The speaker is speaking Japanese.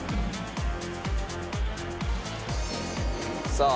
さあ。